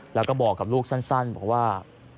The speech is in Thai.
แล้วก็บอกกับลูกสั้นบอกว่า